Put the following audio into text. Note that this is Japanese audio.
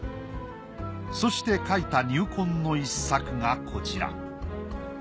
そして描いた入魂の一作がこちら。